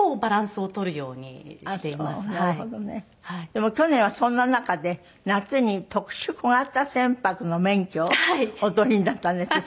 でも去年はそんな中で夏に特殊小型船舶の免許をお取りになったんですって？